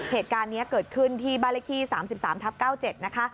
เหตุการณ์นี้เกิดขึ้นที่บริษัท๓๓ทัพ๙๗นะคะ